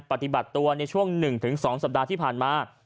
ปฏิบัติตัวในช่วง๑๒สัปดาห์ที่ผ่านมา